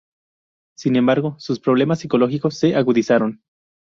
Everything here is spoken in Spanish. Sin embargo, sus problemas psicológicos se agudizaron.